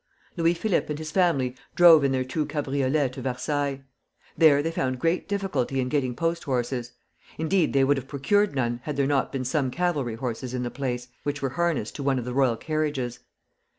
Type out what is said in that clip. Louis Philippe and his family drove in their two cabriolets to Versailles. There they found great difficulty in getting post horses. Indeed, they would have procured none, had there not been some cavalry horses in the place, which were harnessed to one of the royal carriages.